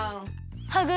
ハグ